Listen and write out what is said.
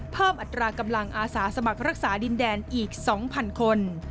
อัตรากำลังอาสาสมัครรักษาดินแดนอีก๒๐๐คน